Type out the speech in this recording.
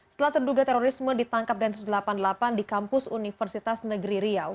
setelah terduga terorisme ditangkap densus delapan puluh delapan di kampus universitas negeri riau